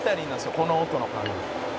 この音の感じ」